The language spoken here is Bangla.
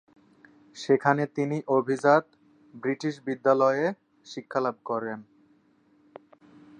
সেখানে তিনি অভিজাত ব্রিটিশ বিদ্যালয়ে শিক্ষালাভ করেন।